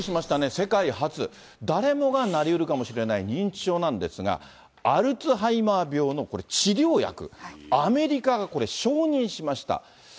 世界初、誰もがなりうるかもしれない認知症なんですが、アルツハイマー病のこれ、治療薬、アメリカがこれ、承認しました。